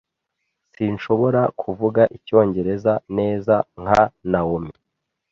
Sinshobora kuvuga icyongereza neza nka Naomi.